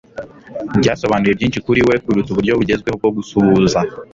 byasobanuye byinshi kuri we kuruta uburyo bugezweho bwo gusuhuza